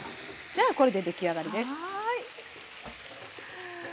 じゃあこれで出来上がりです。